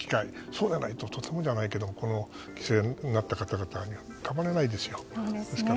そうじゃないととてもじゃないけど犠牲になった方々が浮かばれないですよ。